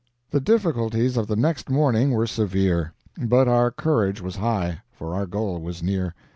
The difficulties of the next morning were severe, but our courage was high, for our goal was near.